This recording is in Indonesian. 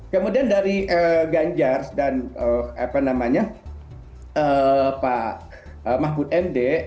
kemudian dari ganjar dan apa namanya pak mahbud md